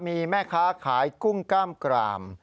มีแม่ค้าขายกุ้งกล้ามกราม